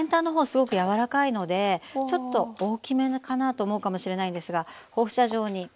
すごく柔らかいのでちょっと大きめかなと思うかもしれないんですが放射状に。